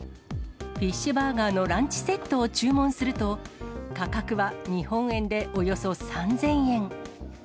フィッシュバーガーのランチセットを注文すると、価格は日本円でおよそ３０００円。